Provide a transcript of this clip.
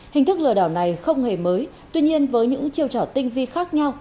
hình thức lừa đảo này không hề mới tuy nhiên với những chiêu trò tinh vi khác nhau